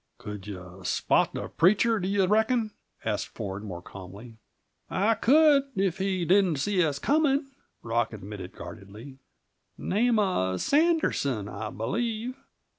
"Could you spot the preacher, do you reckon?" asked Ford more calmly. "I could if he didn't see us coming," Rock admitted guardedly. "Name of Sanderson, I believe.